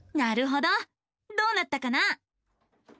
どうなったかな？